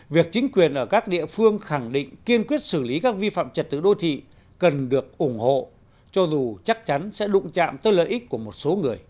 việc chính quyền ở các địa phương khẳng định kiên quyết xử lý các vi phạm trật tự đô thị cần được ủng hộ cho dù chắc chắn sẽ đụng chạm tới lợi ích